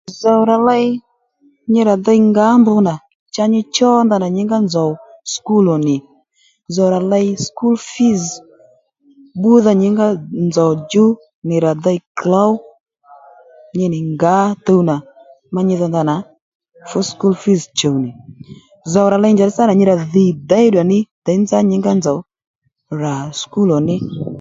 Zòw rà ley nyi rà dey ngǎ mb nà cha nyi cho nyǐngá nzòw sukúl ò nì zòw rà ley sùkúl fíz bbúdha nyǐngá nzòw djú nì rà dey klǒw nyi nì ngǎ tuw nà má nyi dho ndanà fú sùkúl fíz chùw nì zow ra ley njàddí sâ nà nyi rà dhì déyddùya ní děy nzá nyǐngá nzòw rà sukúl ò ní